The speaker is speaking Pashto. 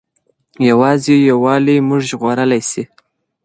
یوازې یووالی موږ ژغورلی سي.